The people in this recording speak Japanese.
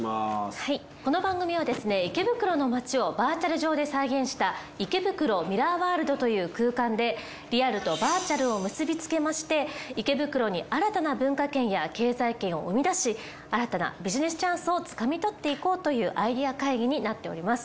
はいこの番組はですね池袋の街をバーチャル上で再現した池袋ミラーワールドという空間でリアルとバーチャルを結びつけまして池袋に新たな文化圏や経済圏を生み出し新たなビジネスチャンスをつかみ取っていこうというアイデア会議になっております。